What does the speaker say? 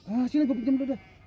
ah sini gue pinjam dulu deh